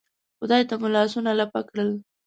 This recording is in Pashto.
خدای ته مو لاسونه لپه کړل.